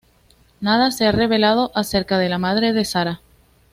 Nada se ha revelado acerca de la madre de Sarah.